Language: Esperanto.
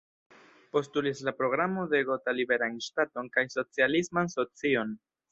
Postulis la Programo de Gotha "liberan ŝtaton" kaj "socialisman socion".